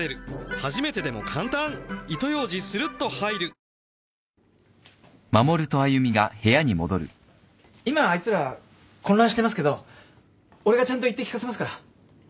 お試し容量も今あいつら混乱してますけど俺がちゃんと言って聞かせますから。